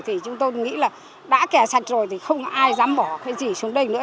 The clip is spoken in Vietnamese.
thì chúng tôi nghĩ là đã kè sạch rồi thì không ai dám bỏ cái gì xuống đây nữa